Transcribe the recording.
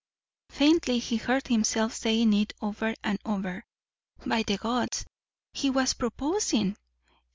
Faintly he heard himself saying it over and over. By the gods, he was proposing!